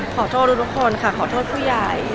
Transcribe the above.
ขอโทษทุกคนค่ะขอโทษผู้ใหญ่